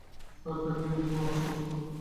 Sir ডাকলে নিজেকে master master মনে হয়।